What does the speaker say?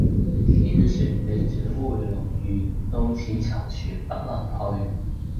天旋地轉回龍馭，到此躊躇不能去。